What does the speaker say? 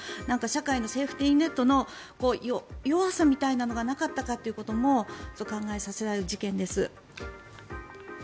社会のセーフティーネットの弱さみたいなのがなかったかということも考えさせられる事件です。